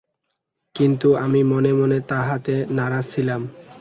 কিন্তু আমি মনে মনে তাহাতে নারাজ ছিলাম।